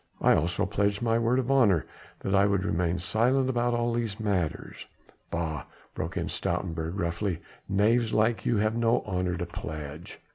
I also pledged my word of honour that I would remain silent about all these matters." "Bah!" broke in Stoutenburg roughly, "knaves like you have no honour to pledge."